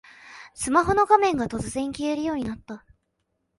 スマホの画面が突然消えるようになった